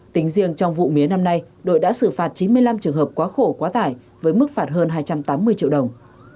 tính riêng trong vụ mía năm nay đội đã xử phạt chín mươi năm trường hợp quá khổ quá tải với mức phạt hơn hai trăm tám mươi triệu đồng